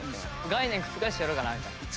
概念覆してやろうかなみたいな。